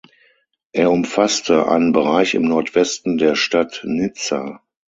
Er umfasste einen Bereich im Nordwesten der Stadt Nizza.